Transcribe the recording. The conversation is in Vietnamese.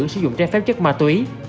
sử dụng tre phép chất ma túy